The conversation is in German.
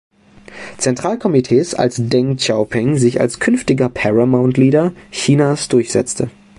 Zentralkomitees, als Deng Xiaoping sich als künftiger „Paramount Leader“ Chinas durchsetzte.